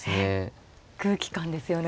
空気感ですよね